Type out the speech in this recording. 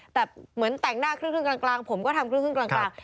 แต่เหมือนแต่งหน้าครึ่งกลางผมก็ทำครึ่งกลาง